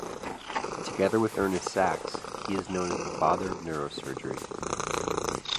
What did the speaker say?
Together with Ernest Sachs, he is known as the father of neurosurgery.